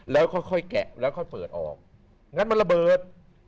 แล้วค่อยแกะแล้วค่อยเปิดออกงั้นมันระเบิด